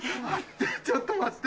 ちょっと待って。